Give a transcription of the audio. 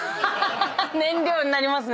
燃料になりますね！